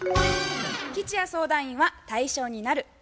吉弥相談員は「対象になる」